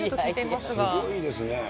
すごいですね。